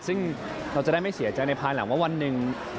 ซึ่งเราจะได้ไม่เสียใจในภายหลังว่าวันหนึ่ง